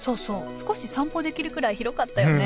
少し散歩できるくらい広かったよね